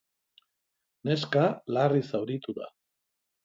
Neska larri zauritu da.